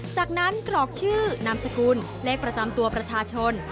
จากนั้นกรอกชื่อนามสกุลเลขประจำตัวประชาชน